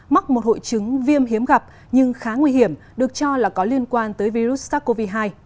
mắc một hội chứng viêm hiếm gặp nhưng khá nguy hiểm được cho là có liên quan tới virus sars cov hai